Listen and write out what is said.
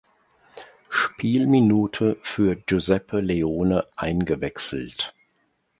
Spielminute für Giuseppe Leone eingewechselt.